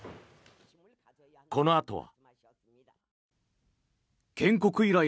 このあとは。